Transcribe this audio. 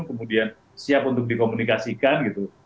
kemudian siap untuk dikomunikasikan